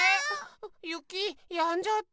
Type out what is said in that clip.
ゆきやんじゃった。